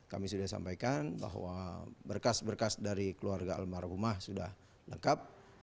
kami sudah sampaikan bahwa berkas berkas dari keluarga almarhumah sudah lengkap